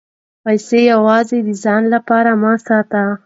پیسې یوازې د ځان لپاره مه ساتئ.